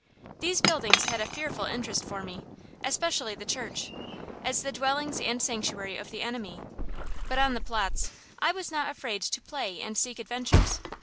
These buildings had a fearful interest for me, especially the church, as the dwellings and sanctuary of the enemy; but on the Platz I was not afraid to play and seek adventures.